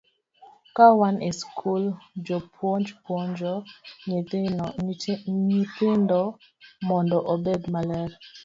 Ka wan e skul, jopuonj puonjo nyithindo mondo obed maler.